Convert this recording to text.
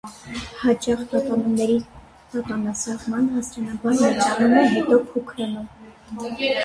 Հաճախ տատանումների տատանասահմանը աստիճանաբար մեծանում է, հետո փոքրանում։